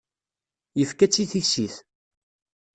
Yefka-tt i tissit.